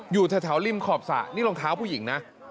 อยู่แถวริมขอบสระนี่รองเท้าผู้หญิงนะ